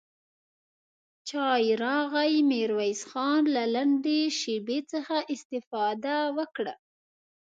چای راغی، ميرويس خان له لنډې شيبې څخه استفاده وکړه.